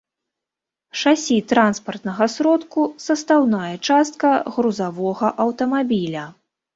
Шасі транспартнага сродку — састаўная частка грузавога аўтамабіля